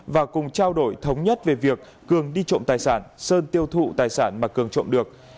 và cùng trao đổi thống nhất về việc cường đi trộm tài sản sơn tiêu thụ tài sản mà cường trộm được